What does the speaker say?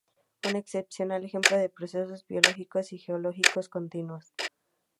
Un excepcional ejemplo de procesos biológicos y geológicos continuos.